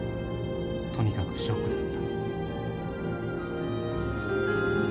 とにかくショックだった」。